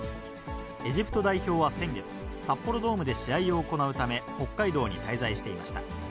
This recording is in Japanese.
エジプト代表は先月、札幌ドームで試合を行うため、北海道に滞在していました。